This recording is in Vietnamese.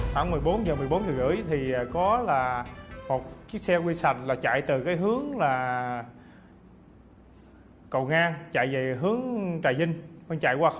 đ ant rah báo chín luật mini nữa